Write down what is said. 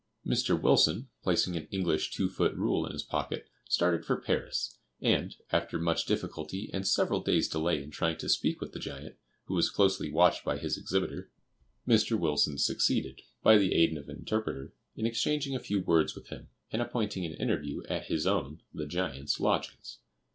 Mr. Wilson, placing an English two foot rule in his pocket, started for Paris; and, after much difficulty and several days' delay in trying to speak with the giant, who was closely watched by his exhibitor, Mr. Wilson succeeded, by the aid of an interpreter, in exchanging a few words with him, and appointing an interview at his own (the giant's) lodgings.